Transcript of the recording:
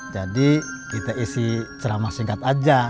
jadi kita isi ceramah singkat aja